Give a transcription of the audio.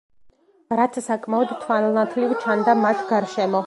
რაც საკმაოდ თვალნათლივ ჩანდა მათ გარშემო.